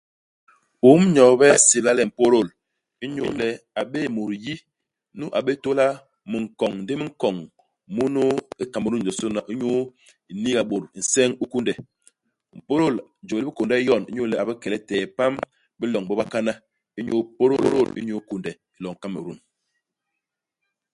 Um Nyobe a nsébla le Mpôdôl inyu le a bé'é mut yi, nu a bé tôla minkoñ ndi minkoñ munu i Kamerun yosôna, inyu iniiga bôt nseñ u kunde. Mpôdôl, jôl li bikônde yon inyu le a bi ke letee ipam i biloñ bi bakana, inyu ipôdôl inyu kunde i loñ i Kamerun.